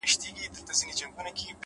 صبر د اوږدو موخو ملګری پاتې کېږي’